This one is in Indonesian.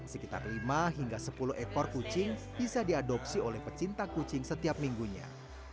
sekitar lima hingga sepuluh ekor kucing bisa diadopsi oleh pecinta kucing setiap minggunya